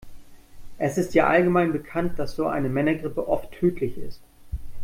Es ist ja allgemein bekannt, dass so eine Männergrippe oft tödlich ist.